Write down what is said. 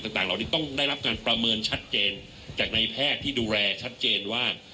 ต่างเหล่านี้ต้องได้รับการประเมินชัดเจนจากในแพทย์ที่ดูแลชัดเจนว่า